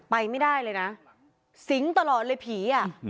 ไปไม่ได้เลยนะสิงตลอดเลยผีอ่ะ